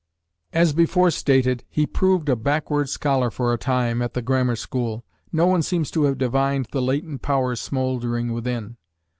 As before stated, he proved a backward scholar for a time, at the grammar school. No one seems to have divined the latent powers smoldering within.